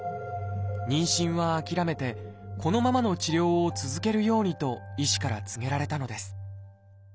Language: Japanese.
妊娠は諦めてこのままの治療を続けるようにと医師から告げられたのです